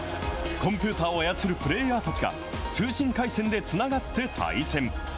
コンピューターを操るプレーヤーたちが通信回線でつながって対戦。